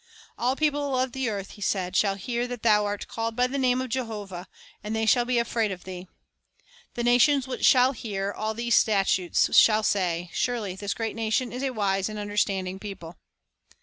"All peo ple of the earth," He said, "shall hear that thou art called by the name of Jehovah; and they shall be afraid of thee." The nations which shall hear all these stat utes shall say, "Surely this great nation is a wise and understanding people."